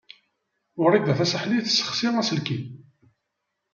Wrida Tasaḥlit tessexsi aselkim.